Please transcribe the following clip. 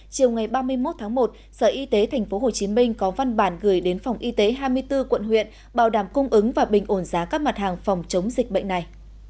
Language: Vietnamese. chiều ngày ba mươi một tháng một sở y tế tp hcm có văn bản gửi đến phòng y tế hai mươi bốn quận huyện bảo đảm cung ứng và bình ổn giá các mặt hàng phòng chống dịch bệnh này